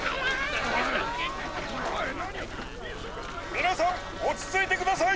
みなさんおちついてください！